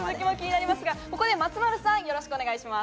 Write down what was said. ここで松丸さん、よろしくお願いします。